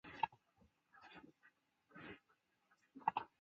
负担家庭照顾的主要角色